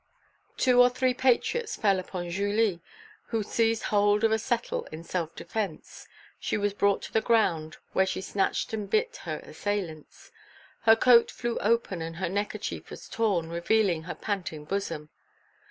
Two or three patriots fell upon Julie, who seized hold of a settle in self defence; she was brought to the ground, where she scratched and bit her assailants. Her coat flew open and her neckerchief was torn, revealing her panting bosom.